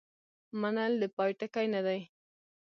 منل د پای ټکی نه دی.